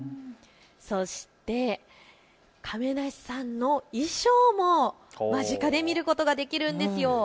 そして亀梨さんの衣装も間近で見ることができるんですよ。